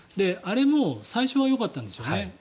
あれも最初はよかったんです。